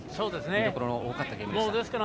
見どころの多かったゲームでした。